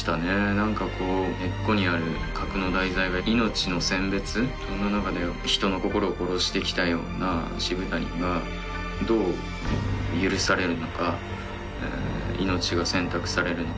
何かこう根っこにある核の題材が命の選別そんな中で人の心を殺してきたような渋谷がどう許されるのか命が選択されるのか